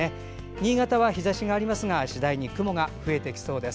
新潟は日ざしがありますが次第に雲が増えてきそうです。